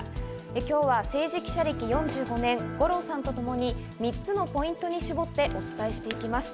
今日は政治記者歴４５年、五郎さんとともに３つのポイントに絞ってお伝えしていきます。